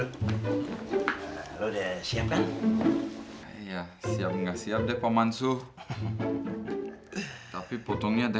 kalau gue itu sunatnya duluan daripada dia